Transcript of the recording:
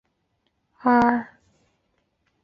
简称为日本三大佛。